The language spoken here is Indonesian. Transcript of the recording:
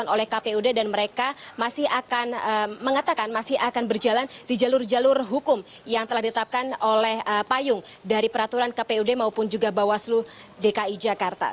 oleh kpud dan mereka masih akan mengatakan masih akan berjalan di jalur jalur hukum yang telah ditetapkan oleh payung dari peraturan kpud maupun juga bawaslu dki jakarta